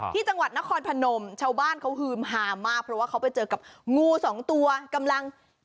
ที่จังหวัดนครพนมชาวบ้านเขาฮือมหามากเพราะว่าเขาไปเจอกับงูสองตัวกำลัง